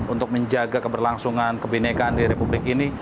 untuk menjaga keberlangsungan kebenekaan di republik ini